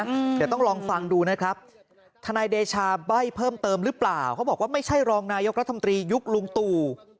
เดี๋ยวต้องลองฟังดูนะครับทนายเดชาใบ้เพิ่มเติมหรือเปล่าเขาบอกว่าไม่ใช่รองนายกรัฐมนตรียุคลุงตู่